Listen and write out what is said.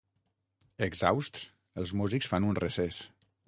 Exhausts, els músics fan un recés.